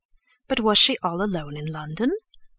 "But was she all alone in London?"